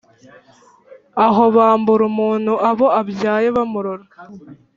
Aho bambura umuntuAbo abyaye bamurora,